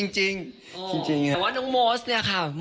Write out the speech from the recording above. จริง